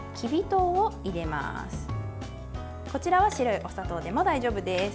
こちらは白いお砂糖でも大丈夫です。